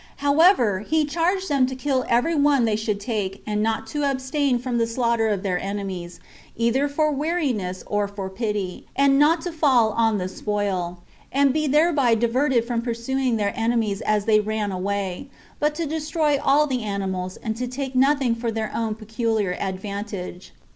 However, he charged them to kill every one they should take, and not to abstain from the slaughter of their enemies, either for weariness or for pity, and not to fall on the spoil, and be thereby diverted from pursuing their enemies as they ran away; but to destroy all the animals, and to take nothing for their own peculiar advantage.